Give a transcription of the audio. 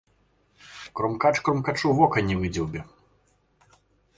Крумкач крумкачу вока не выдзеўбе